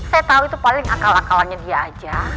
saya tahu itu paling akal akalannya dia aja